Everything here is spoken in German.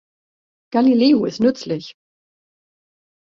Galileo ist nützlich!